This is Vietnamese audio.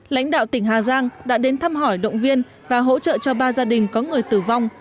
lãnh đạo tỉnh hà giang đã đến thăm hỏi động viên và hỗ trợ cho ba gia đình có người tử vong